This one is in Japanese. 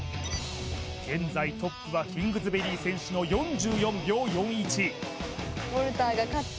現在トップはキングズベリー選手の４４秒４１